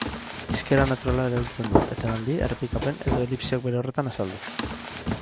Hizkera naturala erabiltzen du, etenaldi, errepikapen edo elipsiak bere horretan azalduz.